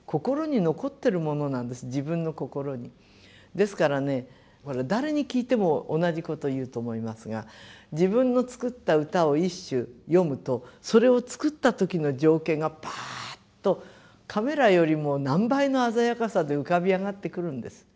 ですからね誰に聞いても同じこと言うと思いますが自分の作った歌を一首詠むとそれを作った時の情景がパーッとカメラよりも何倍の鮮やかさで浮かび上がってくるんです。